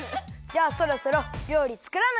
じゃあそろそろりょうりつくらなきゃ。